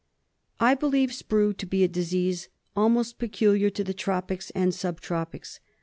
I believe Sprue to be a disease almost peculiar to the tropics and sub tropics.